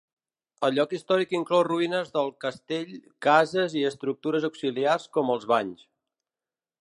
El lloc històric inclou ruïnes del castell, cases i estructures auxiliars com els banys.